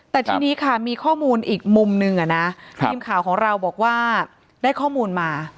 แต่ทีนี้ค่ะมีข้อมูลอีกมุมนึงทีมข่าวของเราบอกว่าได้ข้อมูลมา